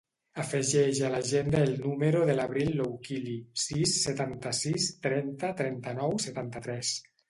Afegeix a l'agenda el número de l'Abril Loukili: sis, setanta-sis, trenta, trenta-nou, setanta-tres.